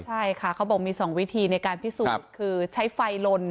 ใช่ค่ะเขาบอกมี๒วิธีในการพิสูจน์คือใช้ไฟลน